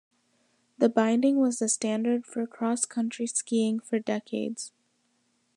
The binding was the standard for cross-country skiing for decades.